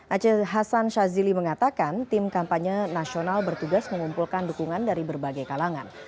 aceh hasan shazili mengatakan tim kampanye nasional bertugas mengumpulkan dukungan dari berbagai kalangan